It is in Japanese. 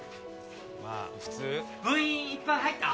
まあ普通部員いっぱい入った？